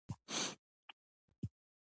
د تربيې فکر نه کوي.